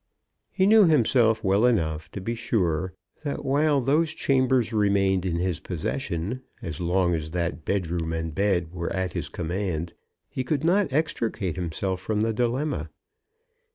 He knew himself well enough to be sure that while those chambers remained in his possession, as long as that bedroom and bed were at his command, he could not extricate himself from the dilemma.